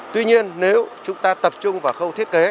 tuy nhiên nếu chúng ta tập trung vào khâu thiết kế